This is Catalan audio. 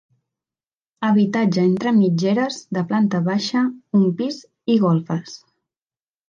Habitatge entre mitgeres de planta baixa, un pis i golfes.